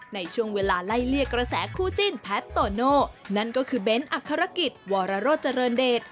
ในช่วงเวลาไล่เลี่ยกระแสคู่จิ้นแพทโตโน่นั่นก็คือเบ้นอักษรกิจวรโรเจริญเดช